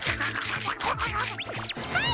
はい。